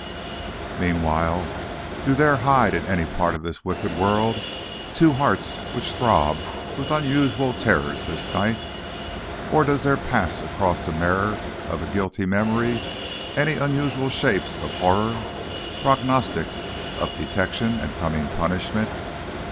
Meanwhile do there hide in any part of this wicked world two hearts which throb with unusual terrors this night? Or does there pass across the mirror of a guilty memory any unusual shapes of horror prognostic of detection and coming punishment?